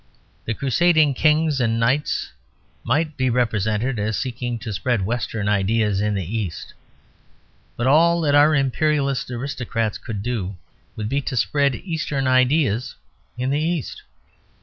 The Crusading kings and knights might be represented as seeking to spread Western ideas in the East. But all that our Imperialist aristocrats could do would be to spread Eastern ideas in the East.